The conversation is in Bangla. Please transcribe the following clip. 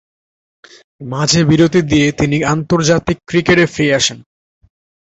মাঝে বিরতি দিয়ে তিনি আন্তর্জাতিক ক্রিকেটে ফিরে আসেন।